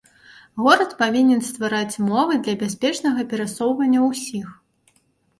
Горад павінен ствараць умовы для бяспечнага перасоўвання ўсіх.